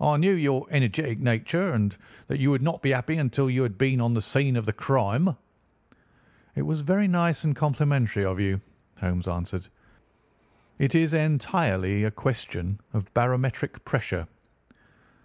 "I knew your energetic nature, and that you would not be happy until you had been on the scene of the crime." "It was very nice and complimentary of you," Holmes answered. "It is entirely a question of barometric pressure."